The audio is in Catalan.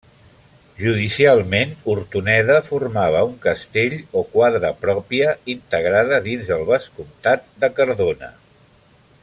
Judicialment Hortoneda formava un castell o quadra pròpia integrada dins del vescomtat de Cardona.